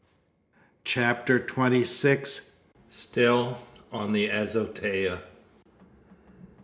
CHAPTER TWENTY SIX. STILL ON THE AZOTEA.